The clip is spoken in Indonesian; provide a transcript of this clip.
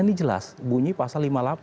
ini jelas bunyi pasal lima puluh delapan